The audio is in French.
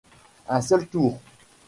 Un seul tour.